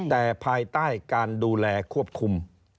แต่ภายใต้การดูแลควบคุม